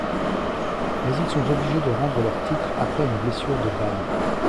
Mais ils sont obligés de rendre leur titre après une blessure de Bane.